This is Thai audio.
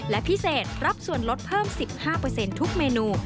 และพิเศษรับส่วนลดเพิ่ม๑๕ทุกเมนู